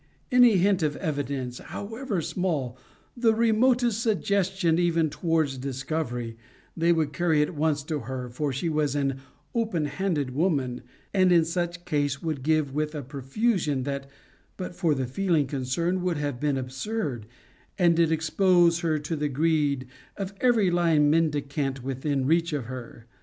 Any hint of evidence, however small, the remotest suggestion even towards discovery, they would carry at once to her, for she was an open handed woman, and in such case would give with a profusion that, but for the feeling concerned, would have been absurd, and did expose her to the greed of every lying mendicant within reach of her.